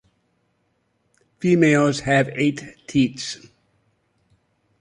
Females have eight teats.